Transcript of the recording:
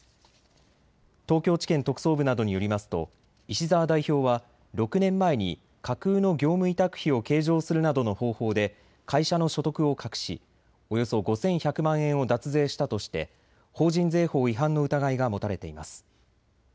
東京地検特捜部などによりますと石澤代表は６年前に架空の業務委託費を計上するなどの方法で会社の所得を隠し、およそ５１００万円を脱税したとして法人税法違反の疑いが持たれています。